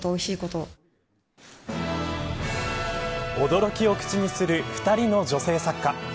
驚きを口にする２人の女性作家。